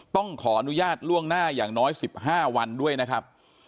ต้องขออนุญาตล่วงหน้าอย่างน้อย๑๕วันด้วยนะครับ